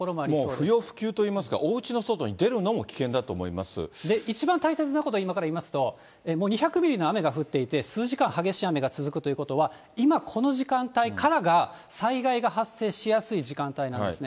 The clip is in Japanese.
不要不急といいますか、おうちの外に出るのも危険だと思いま一番大切なことを今から言いますと、もう２００の雨が降っていて、数時間、激しい雨が続くということは、今、この時間帯からが、災害が発生しやすい時間帯なんですね。